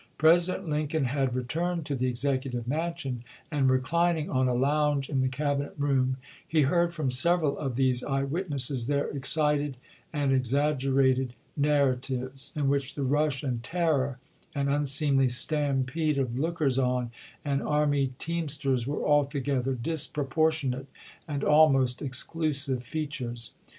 President Lincoln had re turned to the Executive Mansion, and reclining on a lounge in the Cabinet room he heard from sev eral of these eye witnesses their excited and exag gerated narratives, in which the rush and terror and unseemly stampede of lookers on and army teamsters were altogether disproportionate and almost exclusive features.